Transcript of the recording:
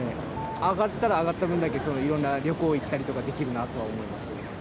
上がったら上がった分だけ、いろんな旅行行ったりとかできるなとは思います。